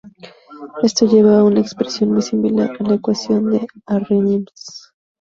Esto lleva a una expresión muy similar a la ecuación de Arrhenius.